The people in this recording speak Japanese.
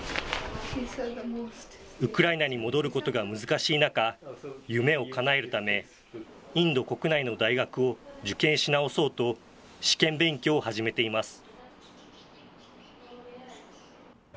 ウクライナに戻ることが難しい中、夢をかなえるため、インド国内の大学を受験し直そうと、試験勉強を始めています。